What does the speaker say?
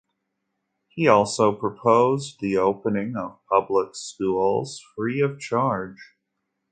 He also proposed the opening of public schools free of charge.